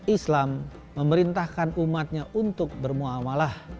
islam memerintahkan umatnya untuk bermuamalah